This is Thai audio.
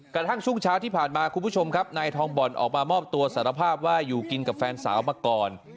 กระทั่งช่วงเช้าที่ผ่านมาคุณผู้ชมครับนายทองบ่อนออกมามอบตัวสารภาพว่าอยู่กินกับแฟนสาวมาก่อน